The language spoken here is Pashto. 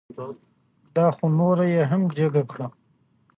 دا خو نوره یې هم جگه کړه.